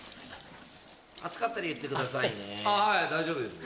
熱かったら言ってくださいね。